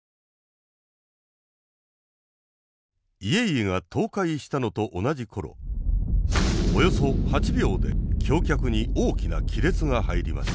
家々が倒壊したのと同じ頃およそ８秒で橋脚に大きな亀裂が入りました。